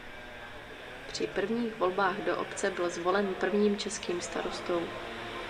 Při prvních volbách do obce byl zvolen prvním českým starostou.